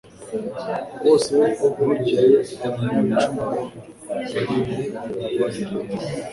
bose Ntugire abanyabicumuro babi ubabarira